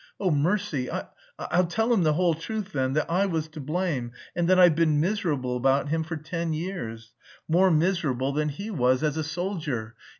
Oh, mercy, I... I'll tell him the whole truth then, that I was to blame... and that I've been miserable about him for ten years. More miserable than he was as a soldier, and...